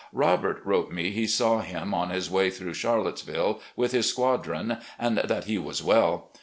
Robert wrote me he saw him on his way through Charlottesville with his squadron, and that he was well.